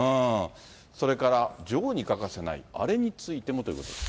それから女王に欠かせないあれについてもということで。